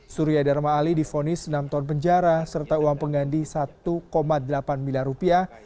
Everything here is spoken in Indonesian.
surya dharma ali difonis enam tahun penjara serta uang penggandi rp satu delapan miliar